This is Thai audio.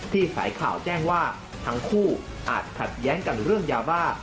สายข่าวแจ้งว่าทั้งคู่อาจขัดแย้งกันเรื่องยาบ้า